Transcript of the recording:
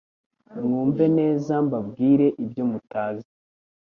mwumve neza mbabwire ibyo mutazi